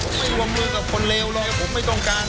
ผมไม่รวมมือกับคนเลวเลยผมไม่ต้องการ